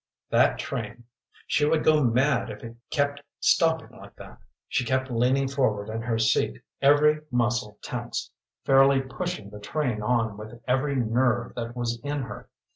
_" That train! She would go mad if it kept stopping like that. She kept leaning forward in her seat, every muscle tense, fairly pushing the train on with every nerve that was in her.